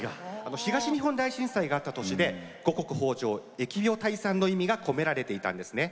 東日本大震災があった年で五穀豊じょう、疫病退散の意味が込められていました。